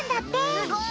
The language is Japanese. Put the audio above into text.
すごい！